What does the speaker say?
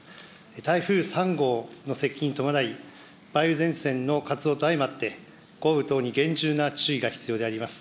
台風３号の接近に伴い、梅雨前線の活動と相まって豪雨等に厳重な注意が必要であります。